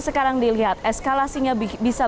sekarang dilihat eskalasinya bisa